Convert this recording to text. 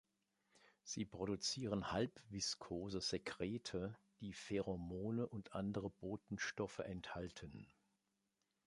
Sie produzieren halbviskose Sekrete, die Pheromone und andere Botenstoffe enthalten.